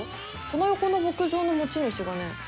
その横の牧場の持ち主がね